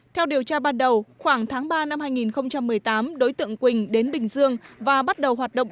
theo điều tra ban đầu khoảng tháng ba năm hai nghìn một mươi tám đối tượng quỳnh đến bình dương và bắt đầu hoạt động